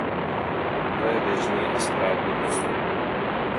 To je běžný a správný postup.